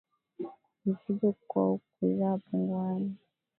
kuwa mzigo kwa kuzaa punguani (zezevu)